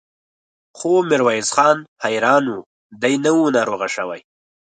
خو ميرويس خان حيران و، دی نه و ناروغه شوی.